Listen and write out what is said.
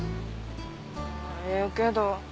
ええけど。